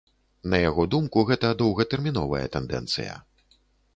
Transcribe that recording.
На яго думку, гэта доўгатэрміновая тэндэнцыя.